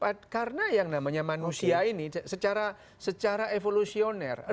sudah berikutnya karena yang namanya manusia ini secara evolusioner ribuan tahun sudah berikutnya